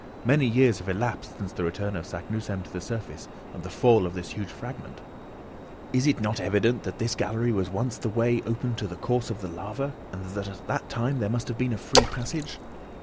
Many years have elapsed since the return of Saknussemm to the surface and the fall of this huge fragment. Is it not evident that this gallery was once the way open to the course of the lava, and that at that time there must have been a free passage?